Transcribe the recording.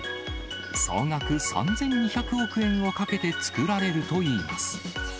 総額３２００億円をかけて造られるといいます。